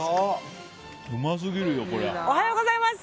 おはようございます！